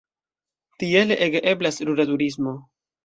Tiele ege eblas rura turismo.